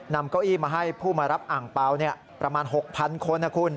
เก้าอี้มาให้ผู้มารับอ่างเปล่าประมาณ๖๐๐คนนะคุณ